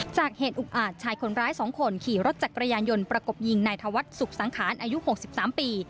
จากเหตุอุกอาจชายคนร้าย๒คนขี่รถจักรยานยนต์ประกบยิงนายธวัฒน์สุขสังขารอายุ๖๓ปี